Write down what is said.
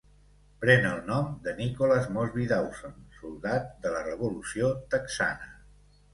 Pren el nom de Nicholas Mosby Dawson, soldat de la revolució texana.